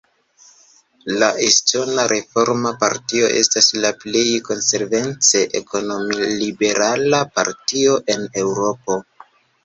La Estona Reforma Partio estas la plej konsekvence ekonomi-liberala partio en Eŭropo.